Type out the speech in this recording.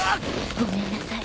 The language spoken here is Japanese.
ごめんなさい。